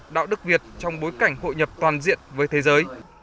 đạo đức việt trong bối cảnh hội nhập toàn diện với thế giới